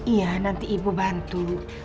iya nanti ibu bantu